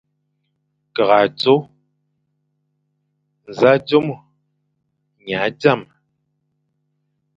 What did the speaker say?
Ke azôe, nẑa zôme, nya zame,